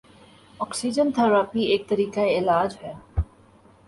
oxygen therapy ایک طریقہ علاج ہے